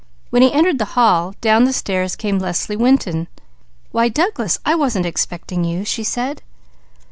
When he entered the hall, down the stairs came Leslie Winton. "Why Douglas, I wasn't expecting you," she said.